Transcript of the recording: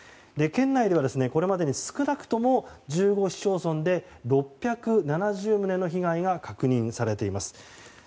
県内では、これまでに少なくとも１５市町村で６７０棟の被害が確認されています。